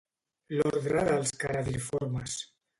L'ordre dels caradriformes.